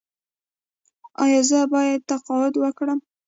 ایا زه باید تقاعد وکړم؟